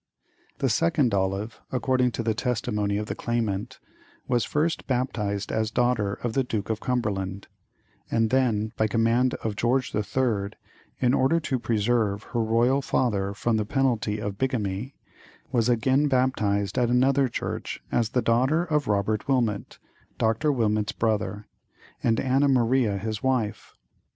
The second Olive, according to the testimony of the claimant, was first baptized as daughter of the Duke of Cumberland, and then, by command of George the Third, in order to preserve her royal father from the penalty of bigamy, was again baptized at another church as the daughter of Robert Wilmot (Dr. Wilmot's brother), and Anna Maria his wife.